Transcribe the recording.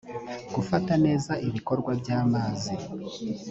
gufata neza ibikorwa by amazi